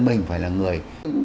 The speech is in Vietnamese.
mình phải là người